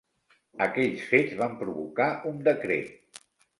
Aquells fets van provocar un decret.